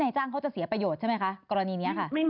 นายจ้างจะเสียประโยชน์ใช่ไหม